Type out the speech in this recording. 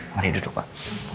mari duduk pak